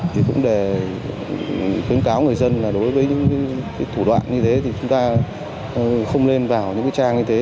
thì cũng để khuyến cáo người dân là đối với những thủ đoạn như thế thì chúng ta không lên vào những cái trang như thế